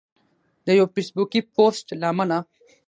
د یو فیسبوکي پوسټ له امله